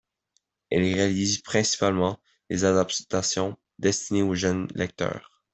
Elle réalise principalement des adaptations destinées aux jeunes lecteurs.